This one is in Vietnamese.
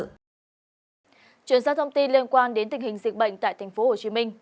chuyển sang thông tin liên quan đến tình hình dịch bệnh tại tp hcm